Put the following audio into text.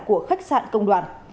của khách sạn